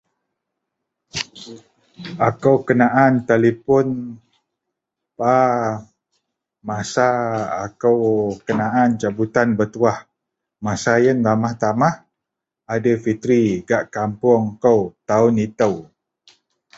Akou kenaan telepon ...aaa... masa akou kenaan cabutan betuwah masa iyen ramah tamah aidil fitri gak kampoung kou taon ito.